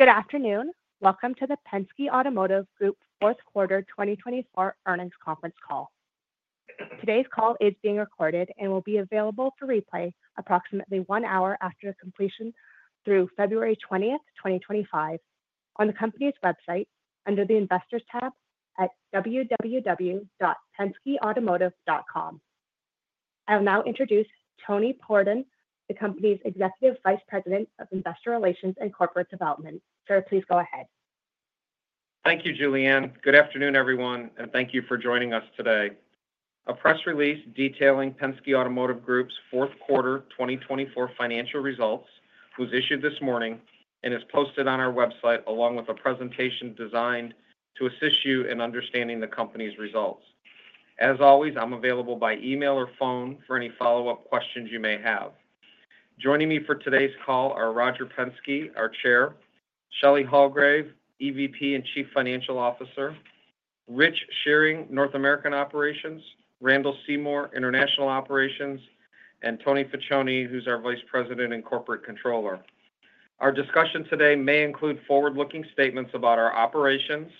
Good afternoon. Welcome to the Penske Automotive Group's fourth quarter 2024 earnings conference call. Today's call is being recorded and will be available for replay approximately one hour after its completion through February 20th, 2025, on the company's website under the Investors tab at www.penskeautomotive.com. I will now introduce Tony Pordon, the company's Executive Vice President of Investor Relations and Corporate Development. Sir, please go ahead. Thank you, Julianne. Good afternoon, everyone, and thank you for joining us today. A press release detailing Penske Automotive Group's fourth quarter 2024 financial results was issued this morning and is posted on our website along with a presentation designed to assist you in understanding the company's results. As always, I'm available by email or phone for any follow-up questions you may have. Joining me for today's call are Roger Penske, our Chair, Shelley Hulgrave, EVP and Chief Financial Officer, Rich Shearing, North American Operations, Randall Seymore, International Operations, and Tony Faccione, who's our Vice President and Corporate Controller. Our discussion today may include forward-looking statements about our operations,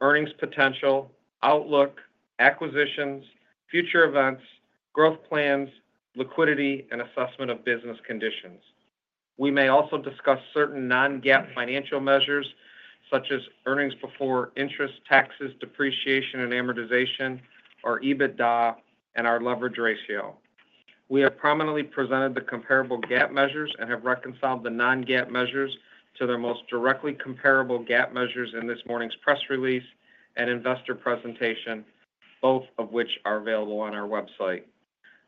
earnings potential, outlook, acquisitions, future events, growth plans, liquidity, and assessment of business conditions. We may also discuss certain non-GAAP financial measures such as earnings before interest, taxes, depreciation, and amortization, our EBITDA, and our leverage ratio. We have prominently presented the comparable GAAP measures and have reconciled the non-GAAP measures to their most directly comparable GAAP measures in this morning's press release and investor presentation, both of which are available on our website.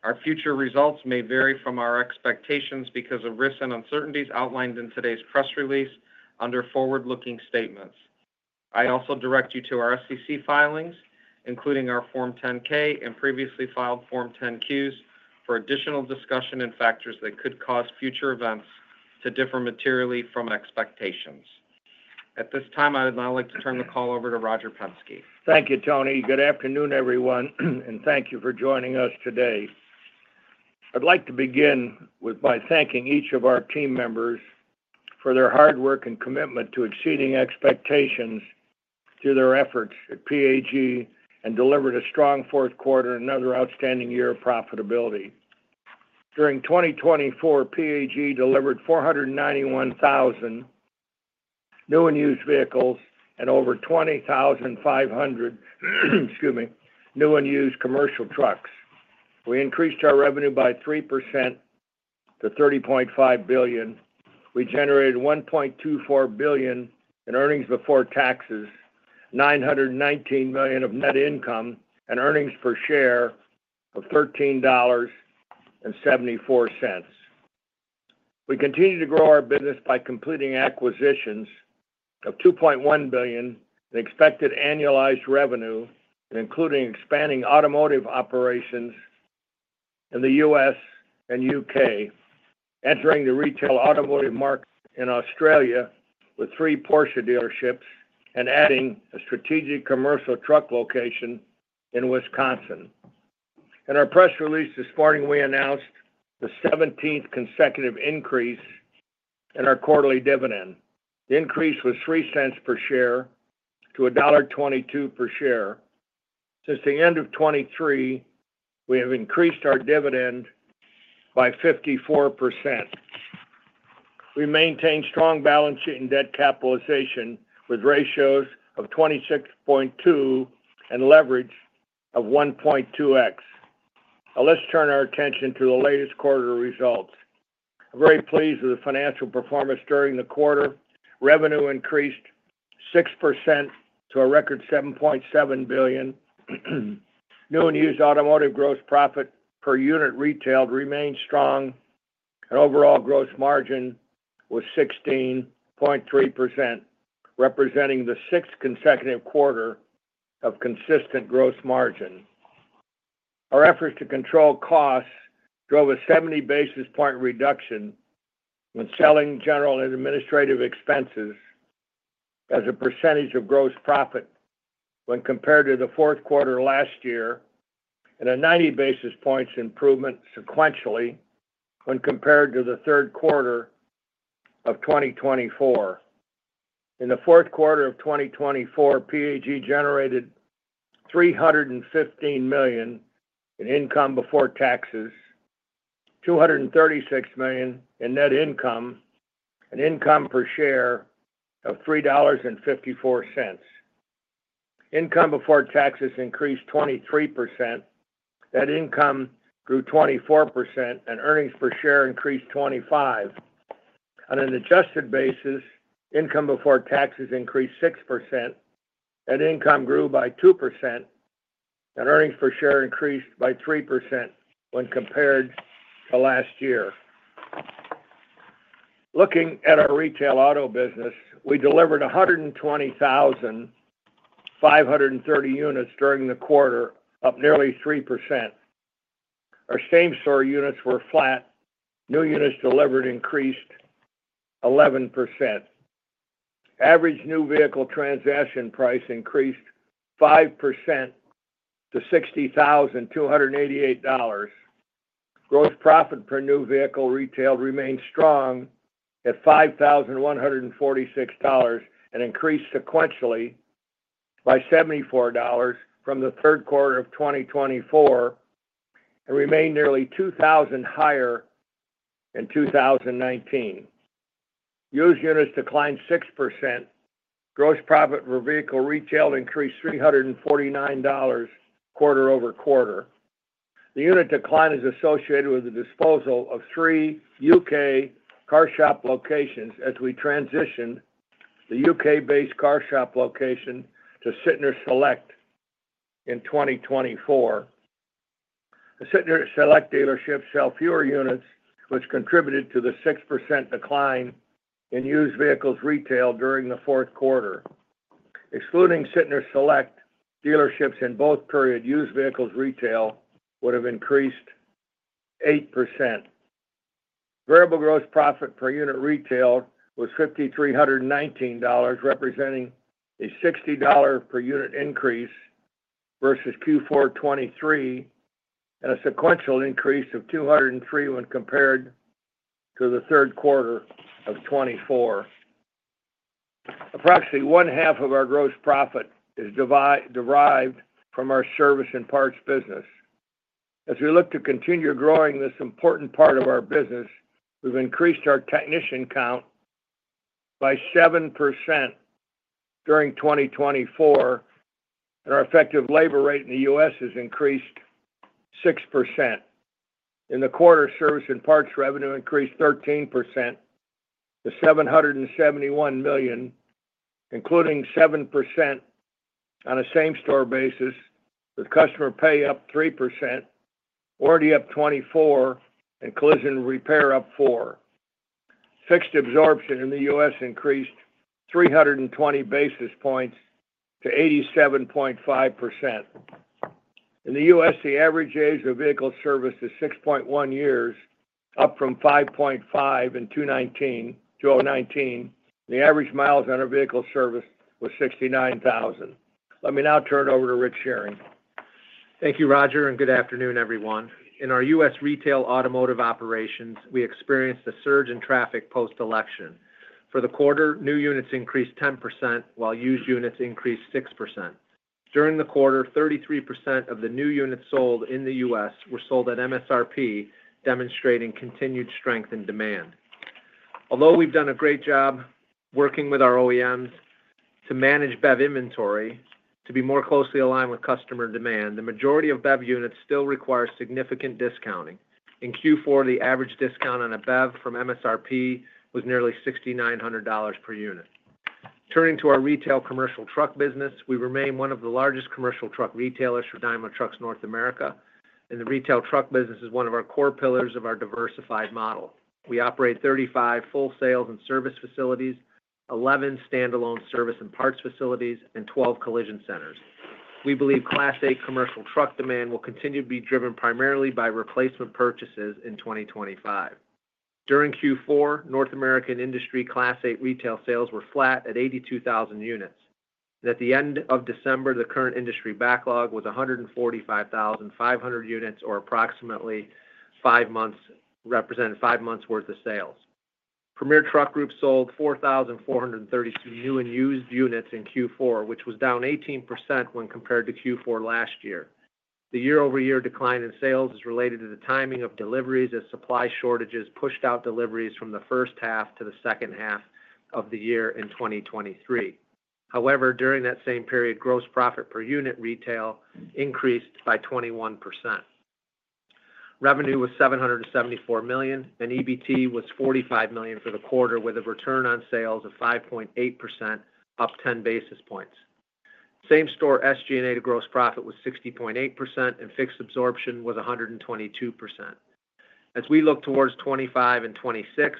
Our future results may vary from our expectations because of risks and uncertainties outlined in today's press release under forward-looking statements. I also direct you to our SEC filings, including our Form 10-K and previously filed Form 10-Qs, for additional discussion and factors that could cause future events to differ materially from expectations. At this time, I'd now like to turn the call over to Roger Penske. Thank you, Tony. Good afternoon, everyone, and thank you for joining us today. I'd like to begin by thanking each of our team members for their hard work and commitment to exceeding expectations through their efforts at PAG, and delivered a strong fourth quarter and another outstanding year of profitability. During 2024, PAG delivered 491,000 new and used vehicles and over 20,500, excuse me, new and used commercial trucks. We increased our revenue by 3% to $30.5 billion. We generated $1.24 billion in earnings before taxes, $919 million of net income, and earnings per share of $13.74. We continue to grow our business by completing acquisitions of $2.1 billion, the expected annualized revenue, including expanding automotive operations in the U.S. and U.K., entering the retail automotive market in Australia with three Porsche dealerships, and adding a strategic commercial truck location in Wisconsin. In our press release this morning, we announced the 17th consecutive increase in our quarterly dividend. The increase was $0.03 per share to $1.22 per share. Since the end of 2023, we have increased our dividend by 54%. We maintain strong balance sheet and debt capitalization with ratios of 26.2 and leverage of 1.2x. Now, let's turn our attention to the latest quarter results. I'm very pleased with the financial performance during the quarter. Revenue increased 6% to a record $7.7 billion. New and used automotive gross profit per unit retailed remained strong, and overall gross margin was 16.3%, representing the sixth consecutive quarter of consistent gross margin. Our efforts to control costs drove a 70 basis points reduction in selling, general, and administrative expenses as a percentage of gross profit when compared to the fourth quarter last year, and a 90 basis points improvement sequentially when compared to the third quarter of 2024. In the fourth quarter of 2024, PAG generated $315 million in income before taxes, $236 million in net income, and income per share of $3.54. Income before taxes increased 23%. Net income grew 24%, and earnings per share increased 25%. On an adjusted basis, income before taxes increased 6%. Net income grew by 2%, and earnings per share increased by 3% when compared to last year. Looking at our retail auto business, we delivered 120,530 units during the quarter, up nearly 3%. Our same-store units were flat. New units delivered increased 11%. Average new vehicle transaction price increased 5% to $60,288. Gross profit per new vehicle retailed remained strong at $5,146 and increased sequentially by $74 from the third quarter of 2024 and remained nearly $2,000 higher in 2019. Used units declined 6%. Gross profit per vehicle retailed increased $349 quarter over quarter. The unit decline is associated with the disposal of three U.K. CarShop locations as we transitioned the U.K.-based CarShop location to Sytner Select in 2024. The Sytner Select dealerships sell fewer units, which contributed to the 6% decline in used vehicles retailed during the fourth quarter. Excluding Sytner Select dealerships in both periods, used vehicles retailed would have increased 8%. Variable gross profit per unit retailed was $5,319, representing a $60 per unit increase versus Q4 2023, and a sequential increase of $203 when compared to the third quarter of 2024. Approximately 1/2 of our gross profit is derived from our service and parts business. As we look to continue growing this important part of our business, we've increased our technician count by 7% during 2024, and our effective labor rate in the U.S. has increased 6%. In the quarter, service and parts revenue increased 13% to $771 million, including 7% on a same-store basis, with customer pay up 3%, warranty up 24%, and collision repair up 4%. Fixed absorption in the U.S. increased 320 basis points to 87.5%. In the U.S., the average age of vehicle service is 6.1 years, up from 5.5 in 2019. The average miles on our vehicle service was 69,000. Let me now turn it over to Rich Shearing. Thank you, Roger, and good afternoon, everyone. In our U.S. retail automotive operations, we experienced a surge in traffic post-election. For the quarter, new units increased 10% while used units increased 6%. During the quarter, 33% of the new units sold in the U.S. were sold at MSRP, demonstrating continued strength in demand. Although we've done a great job working with our OEMs to manage BEV inventory to be more closely aligned with customer demand, the majority of BEV units still require significant discounting. In Q4, the average discount on a BEV from MSRP was nearly $6,900 per unit. Turning to our retail commercial truck business, we remain one of the largest commercial truck retailers for Daimler Truck North America, and the retail truck business is one of our core pillars of our diversified model. We operate 35 full sales and service facilities, 11 standalone service and parts facilities, and 12 collision centers. We believe Class 8 commercial truck demand will continue to be driven primarily by replacement purchases in 2025. During Q4, North American industry Class 8 retail sales were flat at 82,000 units, and at the end of December, the current industry backlog was 145,500 units, or approximately five months represented five months' worth of sales. Premier Truck Group sold 4,432 new and used units in Q4, which was down 18% when compared to Q4 last year. The year-over-year decline in sales is related to the timing of deliveries as supply shortages pushed out deliveries from the first half to the second half of the year in 2023. However, during that same period, gross profit per unit retail increased by 21%. Revenue was $774 million, and EBT was $45 million for the quarter, with a return on sales of 5.8%, up 10 basis points. Same-store SG&A gross profit was 60.8%, and fixed absorption was 122%. As we look towards 2025 and 2026,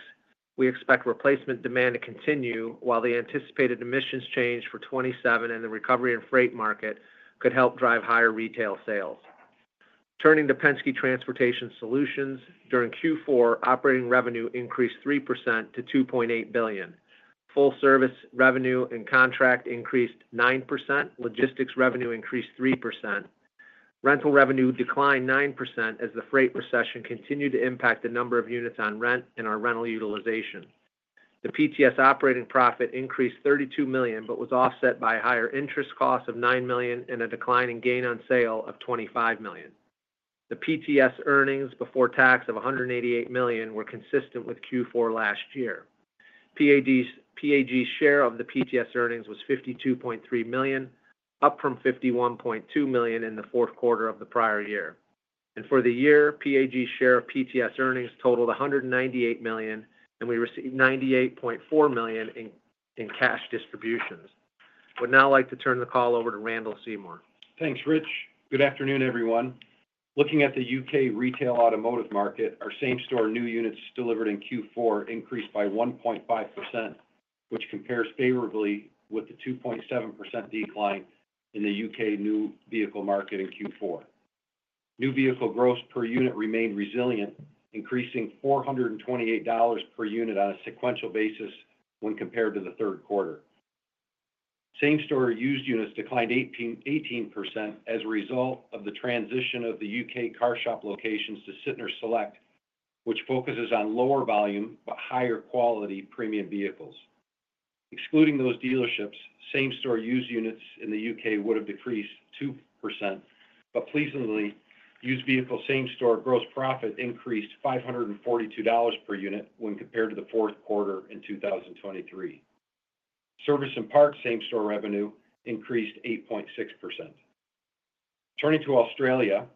we expect replacement demand to continue while the anticipated emissions change for 2027 and the recovery in freight market could help drive higher retail sales. Turning to Penske Transportation Solutions, during Q4, operating revenue increased 3% to $2.8 billion. Full service revenue and contract increased 9%. Logistics revenue increased 3%. Rental revenue declined 9% as the freight recession continued to impact the number of units on rent and our rental utilization. The PTS operating profit increased $32 million but was offset by a higher interest cost of $9 million and a declining gain on sale of $25 million. The PTS earnings before tax of $188 million were consistent with Q4 last year. PAG's share of the PTS earnings was $52.3 million, up from $51.2 million in the fourth quarter of the prior year, and for the year, PAG's share of PTS earnings totaled $198 million, and we received $98.4 million in cash distributions. I would now like to turn the call over to Randall Seymore. Thanks, Rich. Good afternoon, everyone. Looking at the U.K. retail automotive market, our same-store new units delivered in Q4 increased by 1.5%, which compares favorably with the 2.7% decline in the U.K. new vehicle market in Q4. New vehicle gross per unit remained resilient, increasing $428 per unit on a sequential basis when compared to the third quarter. Same-store used units declined 18% as a result of the transition of the U.K. CarShop locations to Sytner Select, which focuses on lower volume but higher quality premium vehicles. Excluding those dealerships, same-store used units in the U.K. would have decreased 2%, but pleasingly, used vehicle same-store gross profit increased $542 per unit when compared to the fourth quarter in 2023. Service and parts same-store revenue increased 8.6%. Turning to Australia,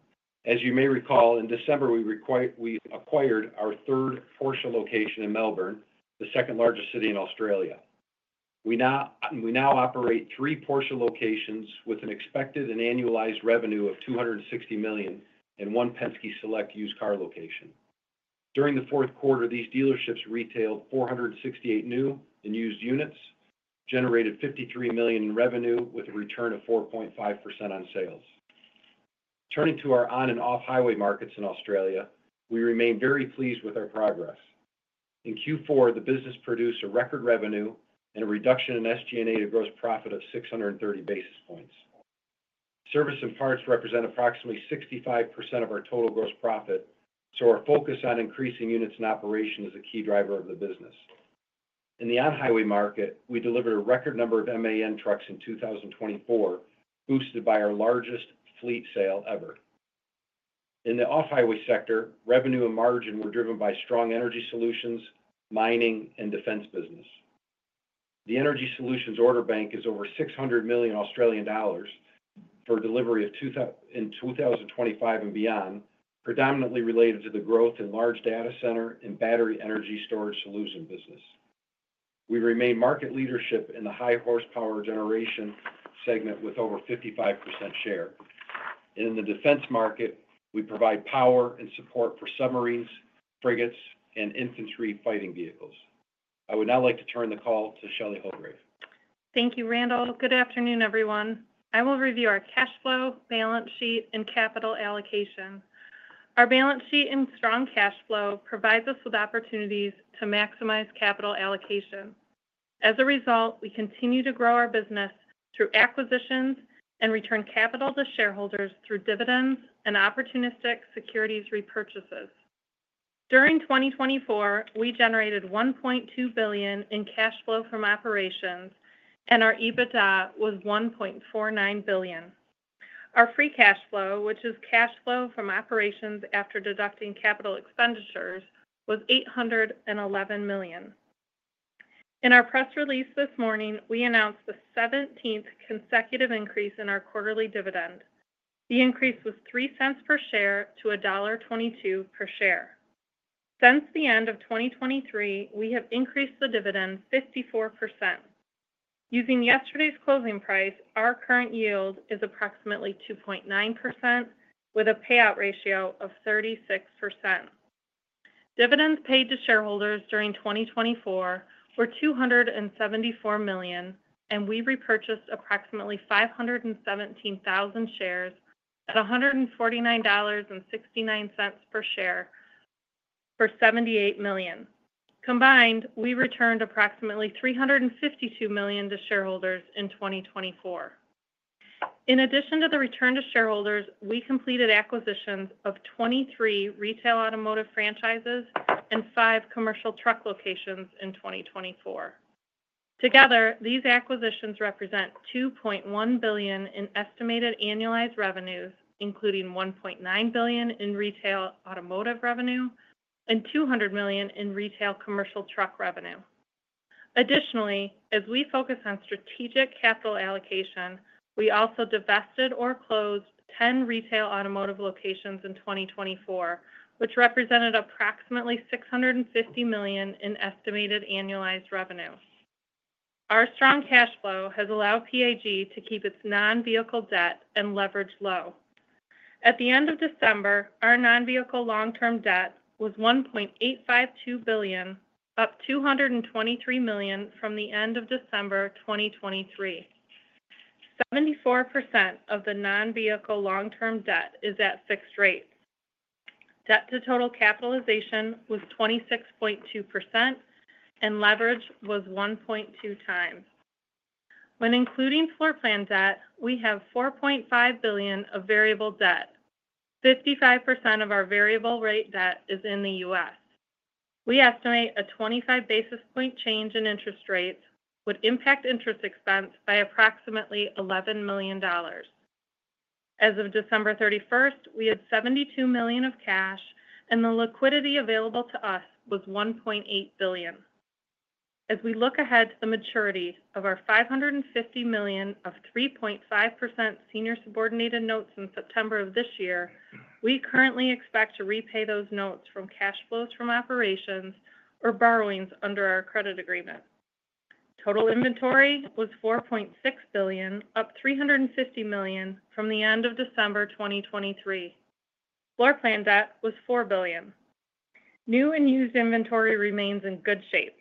as you may recall, in December, we acquired our third Porsche location in Melbourne, the second largest city in Australia. We now operate three Porsche locations with an expected and annualized revenue of $260 million and one Penske Select used car location. During the fourth quarter, these dealerships retailed 468 new and used units, generated $53 million in revenue with a return of 4.5% on sales. Turning to our on- and off-highway markets in Australia, we remain very pleased with our progress. In Q4, the business produced a record revenue and a reduction in SG&A gross profit of 630 basis points. Service and parts represent approximately 65% of our total gross profit, so our focus on increasing units and operation is a key driver of the business. In the on-highway market, we delivered a record number of MAN trucks in 2024, boosted by our largest fleet sale ever. In the off-highway sector, revenue and margin were driven by strong energy solutions, mining, and defense business. The energy solutions order bank is over 600 million Australian dollars for delivery in 2025 and beyond, predominantly related to the growth in large data center and battery energy storage solution business. We remain market leadership in the high-horsepower generation segment with over 55% share. In the defense market, we provide power and support for submarines, frigates, and infantry fighting vehicles. I would now like to turn the call to Shelley Hulgrave. Thank you, Randall. Good afternoon, everyone. I will review our cash flow, balance sheet, and capital allocation. Our balance sheet and strong cash flow provide us with opportunities to maximize capital allocation. As a result, we continue to grow our business through acquisitions and return capital to shareholders through dividends and opportunistic securities repurchases. During 2024, we generated $1.2 billion in cash flow from operations, and our EBITDA was $1.49 billion. Our free cash flow, which is cash flow from operations after deducting capital expenditures, was $811 million. In our press release this morning, we announced the 17th consecutive increase in our quarterly dividend. The increase was $0.03 per share to $1.22 per share. Since the end of 2023, we have increased the dividend 54%. Using yesterday's closing price, our current yield is approximately 2.9%, with a payout ratio of 36%. Dividends paid to shareholders during 2024 were $274 million, and we repurchased approximately 517,000 shares at $149.69 per share for $78 million. Combined, we returned approximately $352 million to shareholders in 2024. In addition to the return to shareholders, we completed acquisitions of 23 retail automotive franchises and five commercial truck locations in 2024. Together, these acquisitions represent $2.1 billion in estimated annualized revenues, including $1.9 billion in retail automotive revenue and $200 million in retail commercial truck revenue. Additionally, as we focus on strategic capital allocation, we also divested or closed 10 retail automotive locations in 2024, which represented approximately $650 million in estimated annualized revenue. Our strong cash flow has allowed PAG to keep its non-vehicle debt and leverage low. At the end of December, our non-vehicle long-term debt was $1.852 billion, up $223 million from the end of December 2023. 74% of the non-vehicle long-term debt is at fixed rates. Debt to total capitalization was 26.2%, and leverage was 1.2x. When including floor plan debt, we have $4.5 billion of variable debt. 55% of our variable rate debt is in the U.S. We estimate a 25 basis point change in interest rates would impact interest expense by approximately $11 million. As of December 31st, we had $72 million of cash, and the liquidity available to us was $1.8 billion. As we look ahead to the maturity of our $550 million of 3.5% senior subordinated notes in September of this year, we currently expect to repay those notes from cash flows from operations or borrowings under our credit agreement. Total inventory was $4.6 billion, up $350 million from the end of December 2023. Floor plan debt was $4 billion. New and used inventory remains in good shape.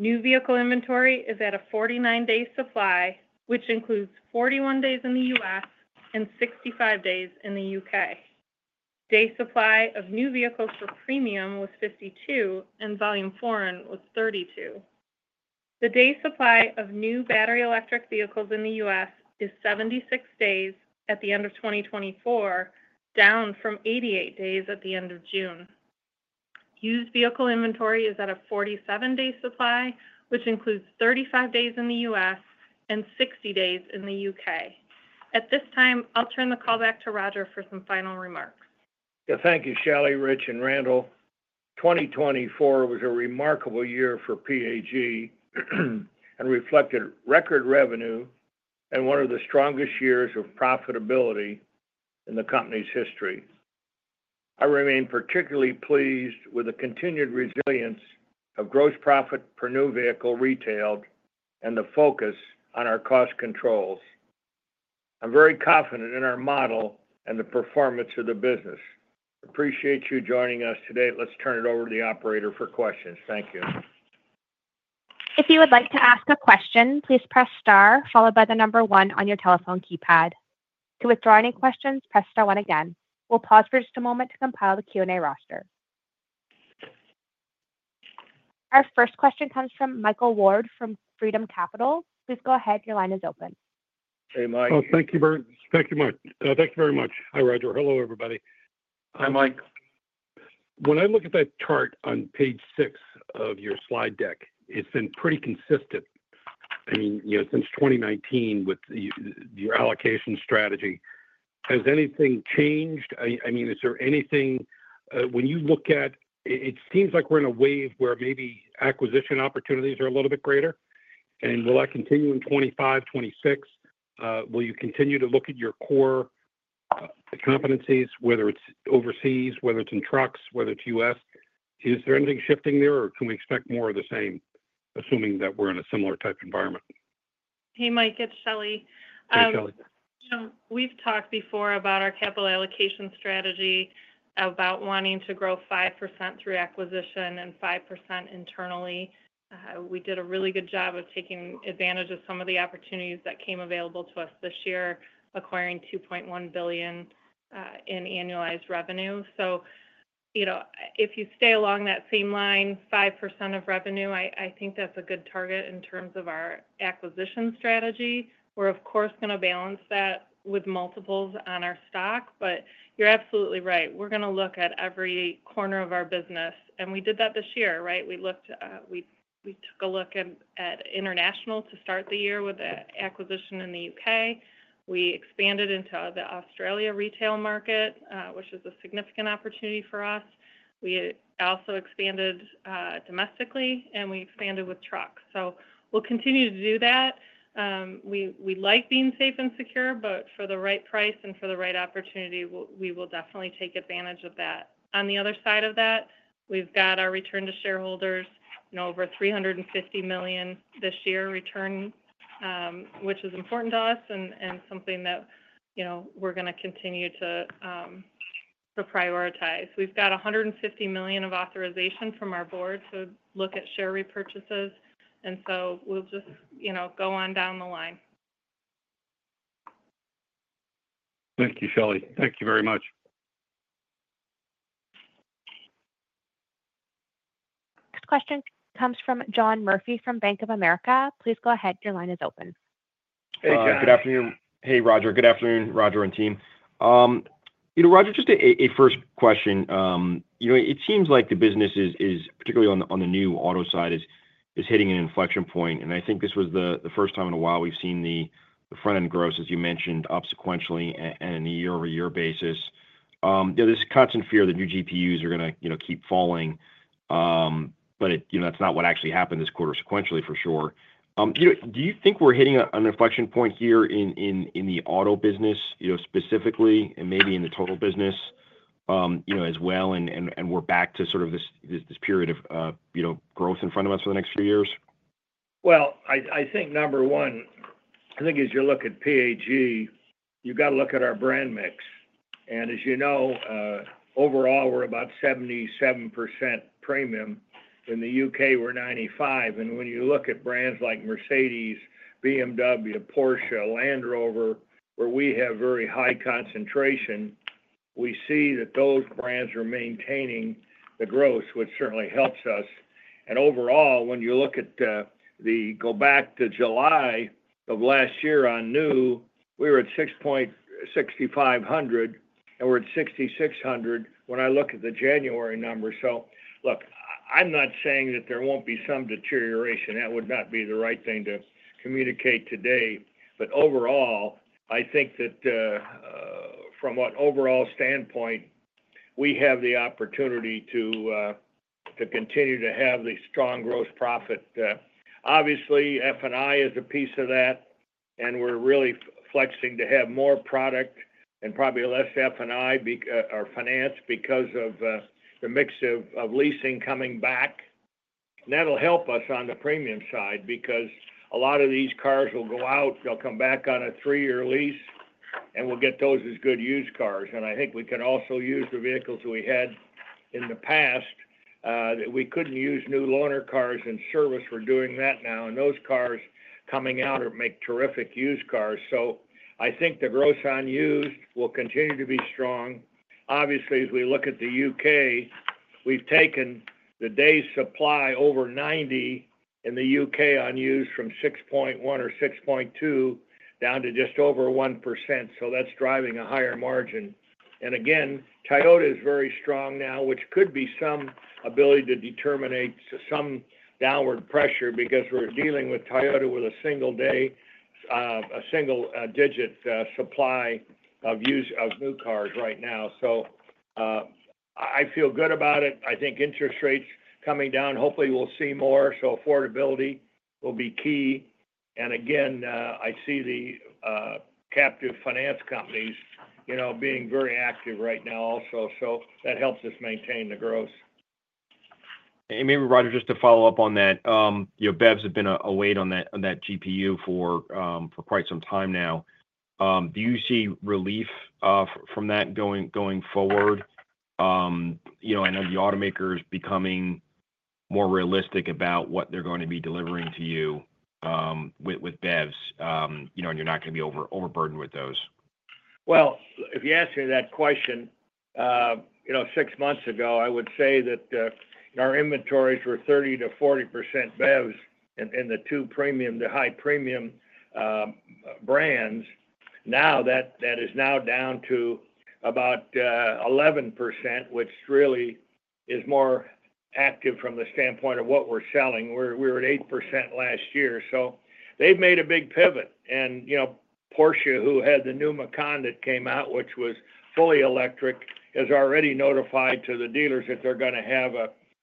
New vehicle inventory is at a 49-day supply, which includes 41 days in the U.S. and 65 days in the U.K. Day supply of new vehicles for premium was 52, and volume foreign was 32. The day supply of new battery electric vehicles in the U.S. is 76 days at the end of 2024, down from 88 days at the end of June. Used vehicle inventory is at a 47-day supply, which includes 35 days in the U.S. and 60 days in the U.K. At this time, I'll turn the call back to Roger for some final remarks. Thank you, Shelley, Rich, and Randall. 2024 was a remarkable year for PAG and reflected record revenue and one of the strongest years of profitability in the company's history. I remain particularly pleased with the continued resilience of gross profit per new vehicle retailed and the focus on our cost controls. I'm very confident in our model and the performance of the business. Appreciate you joining us today. Let's turn it over to the operator for questions. Thank you. If you would like to ask a question, please press star followed by the number one on your telephone keypad. To withdraw any questions, press star one again. We'll pause for just a moment to compile the Q&A roster. Our first question comes from Michael Ward from Freedom Capital. Please go ahead. Your line is open. Hey, Mike. Oh, thank you, Mike. Thank you very much. Hi, Roger. Hello, everybody. Hi, Mike. When I look at that chart on page six of your slide deck, it's been pretty consistent. I mean, since 2019 with your allocation strategy, has anything changed? I mean, is there anything when you look at it seems like we're in a wave where maybe acquisition opportunities are a little bit greater? And will that continue in 2025, 2026? Will you continue to look at your core competencies, whether it's overseas, whether it's in trucks, whether it's U.S.? Is there anything shifting there, or can we expect more of the same, assuming that we're in a similar type environment? Hey, Mike. It's Shelley. Hey, Shelley. We've talked before about our capital allocation strategy, about wanting to grow 5% through acquisition and 5% internally. We did a really good job of taking advantage of some of the opportunities that came available to us this year, acquiring $2.1 billion in annualized revenue, so if you stay along that same line, 5% of revenue, I think that's a good target in terms of our acquisition strategy. We're, of course, going to balance that with multiples on our stock, but you're absolutely right. We're going to look at every corner of our business, and we did that this year, right? We took a look at international to start the year with an acquisition in the U.K. We expanded into the Australia retail market, which is a significant opportunity for us. We also expanded domestically, and we expanded with trucks, so we'll continue to do that. We like being safe and secure, but for the right price and for the right opportunity, we will definitely take advantage of that. On the other side of that, we've got our return to shareholders, over $350 million this year return, which is important to us and something that we're going to continue to prioritize. We've got $150 million of authorization from our board to look at share repurchases. And so we'll just go on down the line. Thank you, Shelley. Thank you very much. This question comes from John Murphy from Bank of America. Please go ahead. Your line is open. Hey, John. Hey, Roger. Good afternoon, Roger and team. Roger, just a first question. It seems like the business is, particularly on the new auto side, is hitting an inflection point. And I think this was the first time in a while we've seen the front-end gross, as you mentioned, up sequentially and on a year-over-year basis, and I think this was the first time in a while we've seen the front-end gross, as you mentioned, up sequentially and on a year-over-year basis. There's a constant fear that new GPUs are going to keep falling, but that's not what actually happened this quarter sequentially, for sure. Do you think we're hitting an inflection point here in the auto business specifically and maybe in the total business as well, and we're back to sort of this period of growth and fundamentals for the next few years? I think number one, I think as you look at PAG, you've got to look at our brand mix. As you know, overall, we're about 77% premium. In the U.K., we're 95%. When you look at brands like Mercedes, BMW, Porsche, Land Rover, where we have very high concentration, we see that those brands are maintaining the growth, which certainly helps us. Overall, when you look at, go back to July of last year on new, we were at 6,500, and we're at 6,600 when I look at the January number. Look, I'm not saying that there won't be some deterioration. That would not be the right thing to communicate today. Overall, I think that from an overall standpoint, we have the opportunity to continue to have the strong gross profit. Obviously, F&I is a piece of that, and we're really flexing to have more product and probably less F&I or finance because of the mix of leasing coming back, and that'll help us on the premium side because a lot of these cars will go out. They'll come back on a three-year lease, and we'll get those as good used cars, and I think we can also use the vehicles we had in the past. We couldn't use new loaner cars in service. We're doing that now, and those cars coming out make terrific used cars, so I think the gross used will continue to be strong. Obviously, as we look at the U.K., we've taken the day's supply over 90 in the U.K. used from 6.1 or 6.2 down to just over 1%, so that's driving a higher margin. Again, Toyota is very strong now, which could be some ability to terminate some downward pressure because we're dealing with Toyota with a single-digit day supply of new cars right now. So I feel good about it. I think interest rates coming down, hopefully, we'll see more. So affordability will be key. And again, I see the captive finance companies being very active right now also. So that helps us maintain the growth. Maybe, Roger, just to follow up on that, BEVs have been a weight on that GPU for quite some time now. Do you see relief from that going forward? I know the automaker is becoming more realistic about what they're going to be delivering to you with BEVs, and you're not going to be overburdened with those. If you ask me that question six months ago, I would say that our inventories were 30%-40% BEVs in the two premium, the high-premium brands. Now that is now down to about 11%, which really is more active from the standpoint of what we're selling. We were at 8% last year. So they've made a big pivot. And Porsche, who had the new Macan that came out, which was fully electric, has already notified to the dealers that they're going to have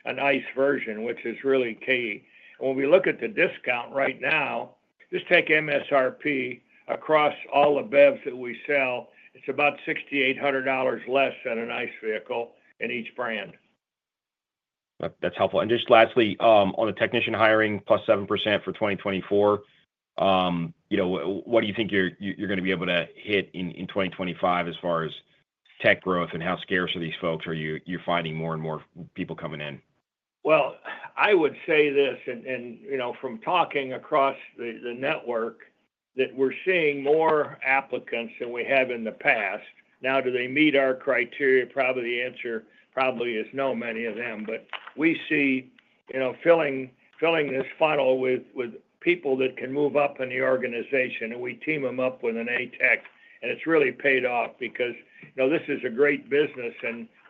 an ICE version, which is really key. And when we look at the discount right now, just take MSRP across all the BEVs that we sell. It's about $6,800 less than an ICE vehicle in each brand. That's helpful. And just lastly, on the technician hiring, +7% for 2024, what do you think you're going to be able to hit in 2025 as far as tech growth and how scarce are these folks where you're finding more and more people coming in? I would say this, and from talking across the network, that we're seeing more applicants than we have in the past. Now, do they meet our criteria? Probably the answer is no, many of them. But we see filling this funnel with people that can move up in the organization, and we team them up with an A tech. It's really paid off because this is a great business.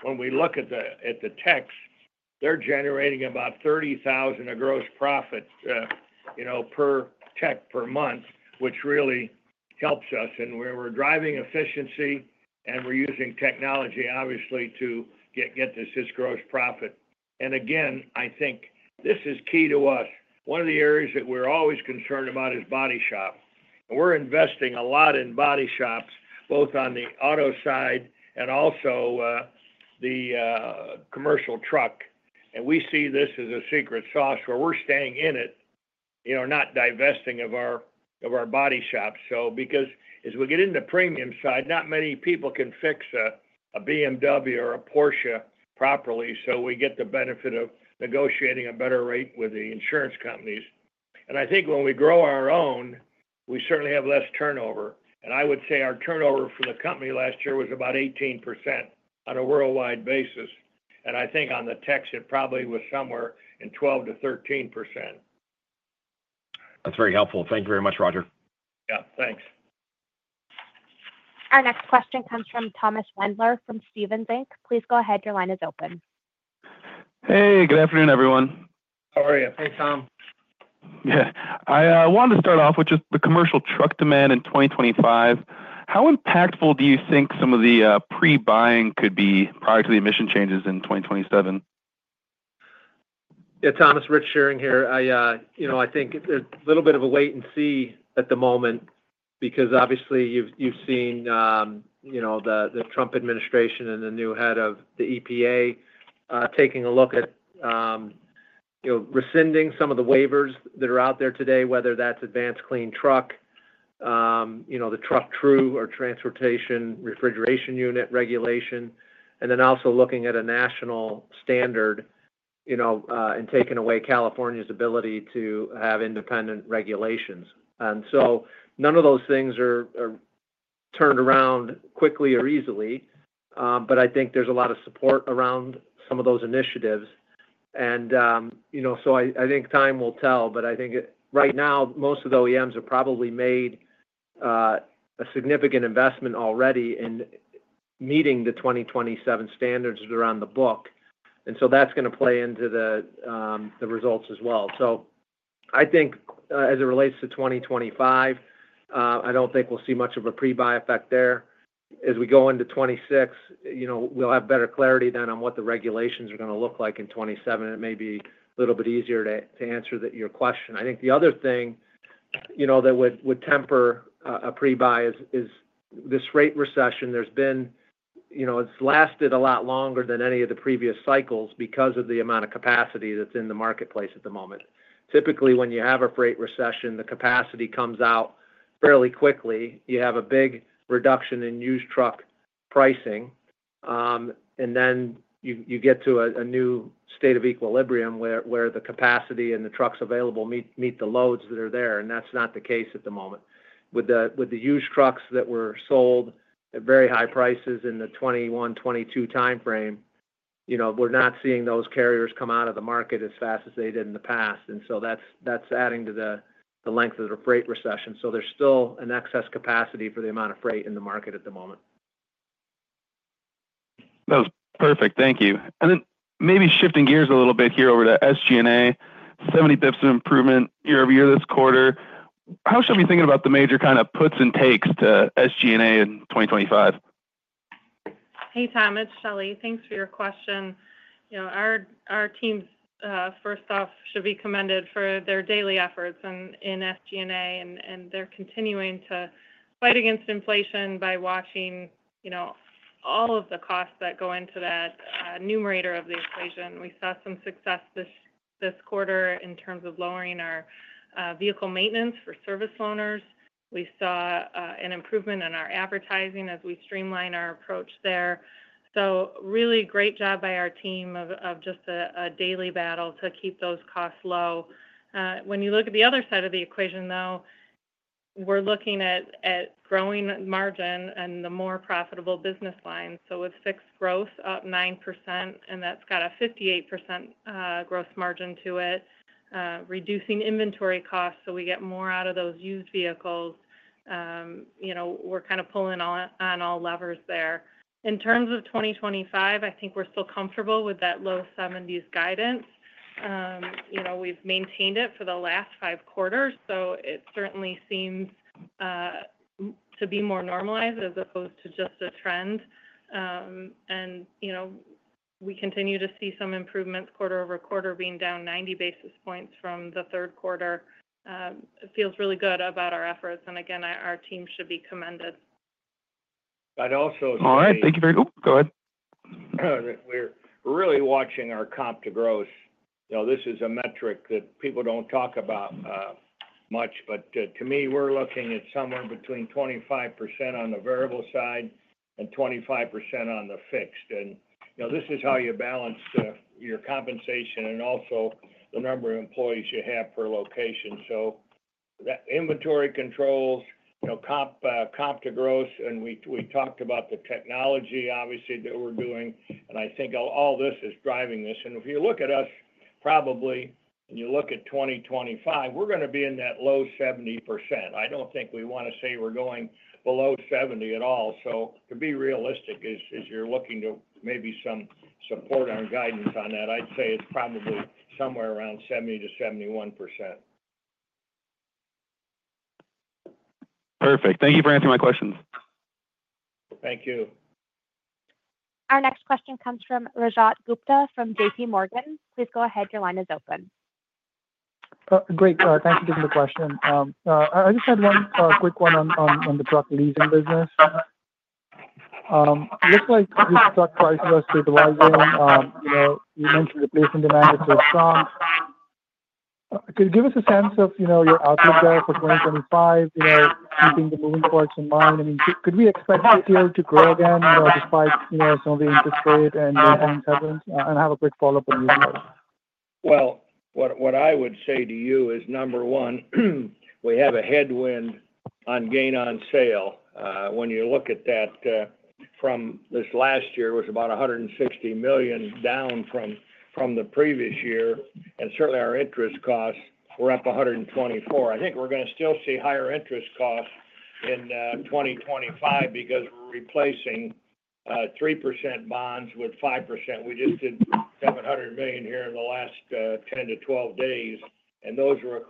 When we look at the techs, they're generating about $30,000 of gross profit per tech per month, which really helps us. We're driving efficiency, and we're using technology, obviously, to get this gross profit. Again, I think this is key to us. One of the areas that we're always concerned about is body shop. We're investing a lot in body shops, both on the auto side and also the commercial truck. And we see this as a secret sauce where we're staying in it, not divesting of our body shops. So because as we get into the premium side, not many people can fix a BMW or a Porsche properly. So we get the benefit of negotiating a better rate with the insurance companies. And I think when we grow our own, we certainly have less turnover. And I would say our turnover for the company last year was about 18% on a worldwide basis. And I think on the techs, it probably was somewhere in 12%-13%. That's very helpful. Thank you very much, Roger. Yeah. Thanks. Our next question comes from Thomas Wendler from Stephens. Please go ahead. Your line is open. Hey, good afternoon, everyone. How are you? Thanks, Tom. Yeah. I wanted to start off with just the commercial truck demand in 2025. How impactful do you think some of the pre-buying could be prior to the emission changes in 2027? Yeah, Thomas, Rich Shearing here. I think there's a little bit of a wait and see at the moment because, obviously, you've seen the Trump administration and the new head of the EPA taking a look at rescinding some of the waivers that are out there today, whether that's Advanced Clean Truck, the truck rule, or Transportation refrigeration unit regulation, and then also looking at a national standard and taking away California's ability to have independent regulations. And so none of those things are turned around quickly or easily, but I think there's a lot of support around some of those initiatives. And so I think time will tell, but I think right now, most of the OEMs have probably made a significant investment already in meeting the 2027 standards that are on the books. And so that's going to play into the results as well. So I think as it relates to 2025, I don't think we'll see much of a pre-buy effect there. As we go into 2026, we'll have better clarity then on what the regulations are going to look like in 2027. It may be a little bit easier to answer your question. I think the other thing that would temper a pre-buy is this rate recession. It's lasted a lot longer than any of the previous cycles because of the amount of capacity that's in the marketplace at the moment. Typically, when you have a freight recession, the capacity comes out fairly quickly. You have a big reduction in used truck pricing, and then you get to a new state of equilibrium where the capacity and the trucks available meet the loads that are there. And that's not the case at the moment. With the used trucks that were sold at very high prices in the 2021, 2022 timeframe, we're not seeing those carriers come out of the market as fast as they did in the past. And so that's adding to the length of the freight recession. So there's still an excess capacity for the amount of freight in the market at the moment. That was perfect. Thank you, and then maybe shifting gears a little bit here over to SG&A, 70 basis points of improvement year over year this quarter. How should we be thinking about the major kind of puts and takes to SG&A in 2025? Hey, Tom, it's Shelley. Thanks for your question. Our teams, first off, should be commended for their daily efforts in SG&A, and they're continuing to fight against inflation by watching all of the costs that go into that numerator of the equation. We saw some success this quarter in terms of lowering our vehicle maintenance for service loaners. We saw an improvement in our advertising as we streamline our approach there. So really great job by our team of just a daily battle to keep those costs low. When you look at the other side of the equation, though, we're looking at growing margin and the more profitable business lines. So with fixed growth up 9%, and that's got a 58% gross margin to it, reducing inventory costs so we get more out of those used vehicles. We're kind of pulling on all levers there. In terms of 2025, I think we're still comfortable with that low 70s guidance. We've maintained it for the last five quarters, so it certainly seems to be more normalized as opposed to just a trend. And we continue to see some improvements quarter over quarter, being down 90 basis points from the third quarter. It feels really good about our efforts. And again, our team should be commended. But also. All right. Thank you very much. Oh, go ahead. We're really watching our comp to gross. This is a metric that people don't talk about much, but to me, we're looking at somewhere between 25% on the variable side and 25% on the fixed. And this is how you balance your compensation and also the number of employees you have per location. So inventory controls, comp to gross, and we talked about the technology, obviously, that we're doing. And I think all this is driving this. And if you look at us, probably, and you look at 2025, we're going to be in that low 70%. I don't think we want to say we're going below 70% at all. So to be realistic, as you're looking to maybe some support on guidance on that, I'd say it's probably somewhere around 70% to 71%. Perfect. Thank you for answering my questions. Thank you. Our next question comes from Rajat Gupta from J.P. Morgan. Please go ahead. Your line is open. Great. Thank you for the question. I just had one quick one on the truck leasing business. Looks like you've talked quite well to the guys. You mentioned replacement demand is very strong. Could you give us a sense of your outlook there for 2025, keeping the moving parts in mind? I mean, could we expect it to grow again despite some of the interest rates and things happening? And I have a quick follow-up on the parts. What I would say to you is, number one, we have a headwind on gain on sale. When you look at that from this last year, it was about $160 million down from the previous year. And certainly, our interest costs were up $124 million. I think we're going to still see higher interest costs in 2025 because we're replacing 3% bonds with 5%. We just did $700 million here in the last 10-12 days, and those were at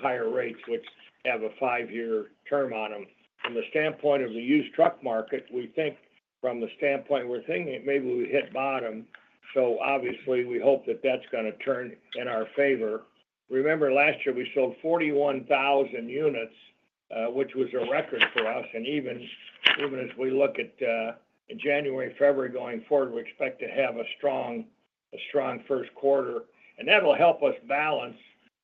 higher rates, which have a five-year term on them. From the standpoint of the used truck market, we think we're thinking maybe we hit bottom. So obviously, we hope that that's going to turn in our favor. Remember, last year, we sold 41,000 units, which was a record for us. Even as we look at January, February going forward, we expect to have a strong first quarter. That'll help us balance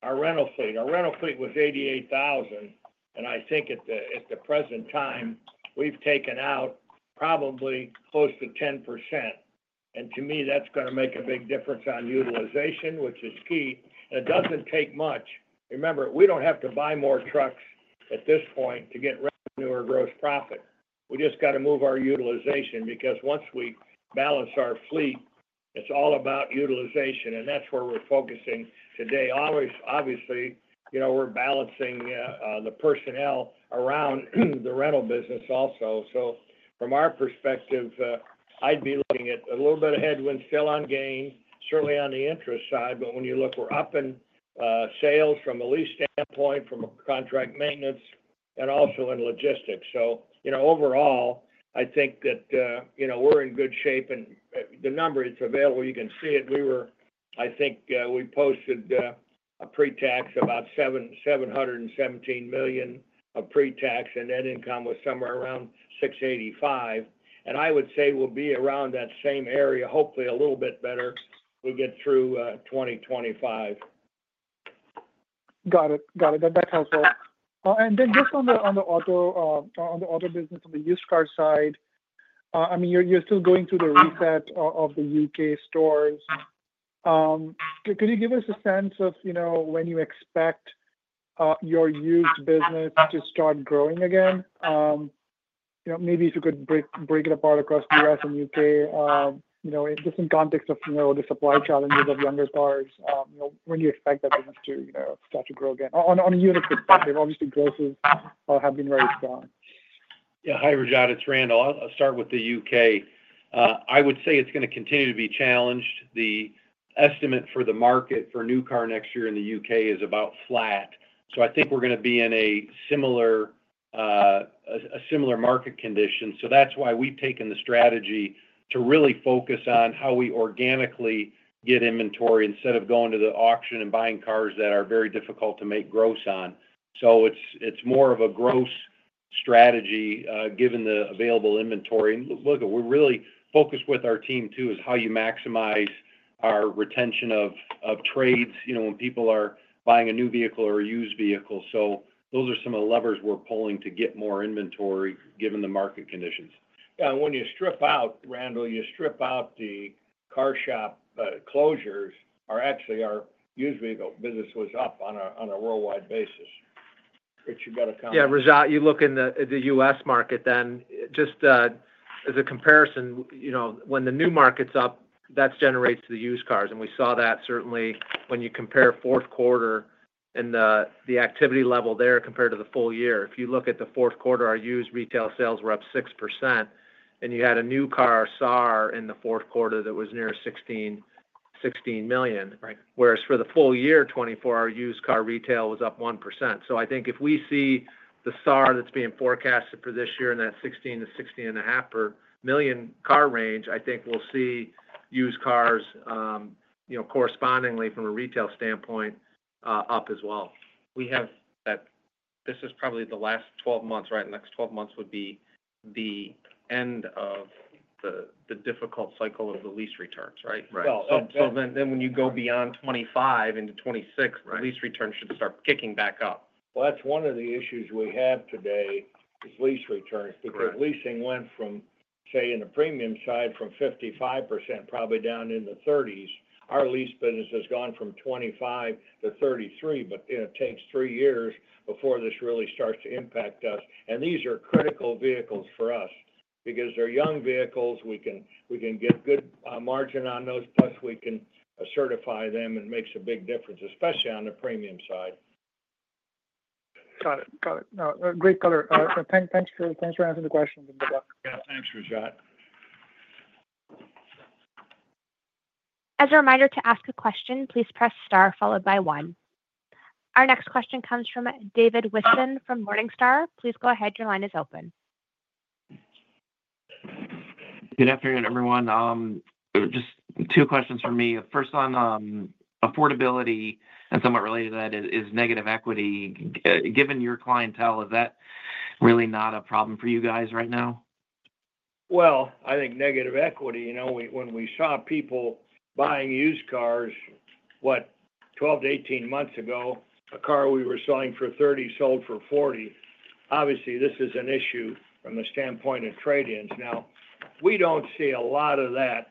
our rental fleet. Our rental fleet was 88,000. I think at the present time, we've taken out probably close to 10%. To me, that's going to make a big difference on utilization, which is key. It doesn't take much. Remember, we don't have to buy more trucks at this point to get revenue or gross profit. We just got to move our utilization because once we balance our fleet, it's all about utilization. That's where we're focusing today. Obviously, we're balancing the personnel around the rental business also. From our perspective, I'd be looking at a little bit of headwind, still on gain, certainly on the interest side. But when you look, we're up in sales from a lease standpoint, from contract maintenance, and also in logistics, so overall, I think that we're in good shape, and the number, it's available. You can see it. I think we posted a pre-tax of about $717 million of pre-tax, and net income was somewhere around $685 million, and I would say we'll be around that same area, hopefully a little bit better if we get through 2025. Got it. Got it. That helps us. And then just on the auto business, on the used car side, I mean, you're still going through the reset of the U.K. stores. Could you give us a sense of when you expect your used business to start growing again? Maybe if you could break it apart across the U.S. and U.K., just in context of the supply challenges of younger cars, when do you expect that business to start to grow again? On a unit perspective, obviously, grosses have been very strong. Yeah. Hi, Rajat. It's Randall. I'll start with the U.K. I would say it's going to continue to be challenged. The estimate for the market for new car next year in the U.K. is about flat. So I think we're going to be in a similar market condition. So that's why we've taken the strategy to really focus on how we organically get inventory instead of going to the auction and buying cars that are very difficult to make gross on. So it's more of a gross strategy given the available inventory. And look, we're really focused with our team too is how you maximize our retention of trades when people are buying a new vehicle or a used vehicle. So those are some of the levers we're pulling to get more inventory given the market conditions. Yeah. When you strip out, Randall, you strip out the CarShop closures, actually, our used vehicle business was up on a worldwide basis, which you've got to account for. Yeah. Rajat, you look in the U.S. market then. Just as a comparison, when the new market's up, that generates the used cars. And we saw that certainly when you compare fourth quarter and the activity level there compared to the full year. If you look at the fourth quarter, our used retail sales were up 6%. And you had a new car SAAR in the fourth quarter that was near 16 million, whereas for the full year 2024, our used car retail was up 1%. So I think if we see the SAAR that's being forecasted for this year in that 16-16.5 million car range, I think we'll see used cars correspondingly from a retail standpoint up as well. We have that this is probably the last 12 months, right? The next 12 months would be the end of the difficult cycle of the lease returns, right? Right. So then when you go beyond 2025 into 2026, the lease returns should start kicking back up. That's one of the issues we have today is lease returns because leasing went from, say, in the premium side from 55% probably down in the 30s%. Our lease business has gone from 25% to 33%, but it takes three years before this really starts to impact us, and these are critical vehicles for us because they're young vehicles. We can get good margin on those, plus we can certify them, and it makes a big difference, especially on the premium side. Got it. Got it. Great color. Thanks for answering the questions. Good luck. Yeah. Thanks, Rajat. As a reminder to ask a question, please press star followed by one. Our next question comes from David Whiston from Morningstar. Please go ahead. Your line is open. Good afternoon, everyone. Just two questions for me. First on affordability and somewhat related to that is negative equity. Given your clientele, is that really not a problem for you guys right now? I think negative equity, when we saw people buying used cars 12-18 months ago, a car we were selling for 30 sold for 40. Obviously, this is an issue from the standpoint of trade-ins. Now, we don't see a lot of that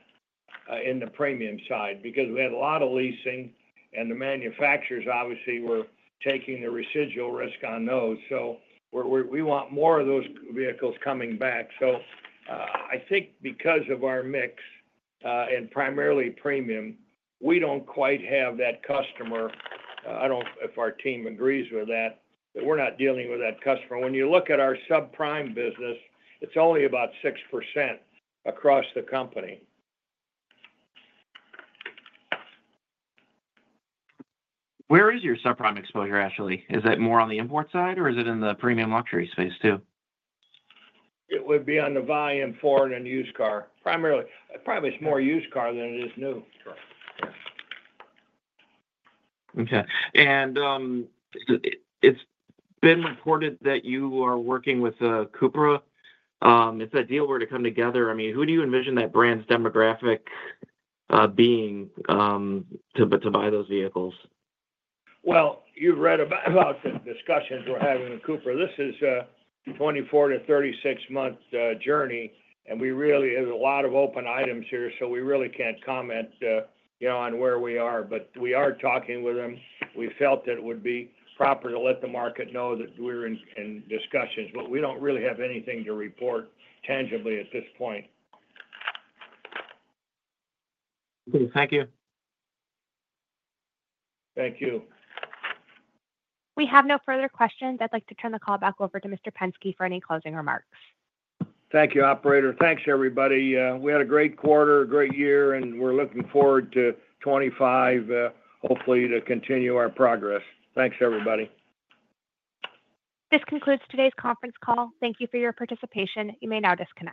in the premium side because we had a lot of leasing, and the manufacturers obviously were taking the residual risk on those. So we want more of those vehicles coming back. So I think because of our mix and primarily premium, we don't quite have that customer. I don't know if our team agrees with that, but we're not dealing with that customer. When you look at our subprime business, it's only about 6% across the company. Where is your subprime exposure, actually? Is it more on the import side, or is it in the premium luxury space too? It would be on the volume for it and used car. Primarily, probably it's more used car than it is new. Correct. Yes. Okay, and it's been reported that you are working with Cupra. If that deal were to come together, I mean, who do you envision that brand's demographic being to buy those vehicles? You've read about the discussions we're having with Cupra. This is a 24- to 36-month journey, and there's a lot of open items here, so we really can't comment on where we are, but we are talking with them. We felt it would be proper to let the market know that we're in discussions, but we don't really have anything to report tangibly at this point. Thank you. Thank you. We have no further questions. I'd like to turn the call back over to Mr. Penske for any closing remarks. Thank you, operator. Thanks, everybody. We had a great quarter, a great year, and we're looking forward to 2025, hopefully to continue our progress. Thanks, everybody. This concludes today's conference call. Thank you for your participation. You may now disconnect.